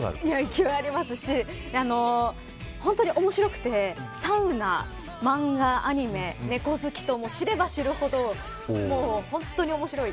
勢いがありますし本当に面白くてサウナ、漫画、アニメ猫好きと知れば知るほど本当に面白い。